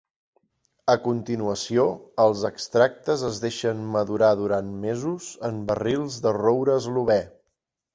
A continuació, els extractes es deixen madurar durant mesos en barrils de roure eslovè.